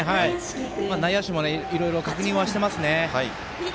内野手もいろいろ確認はしていますね。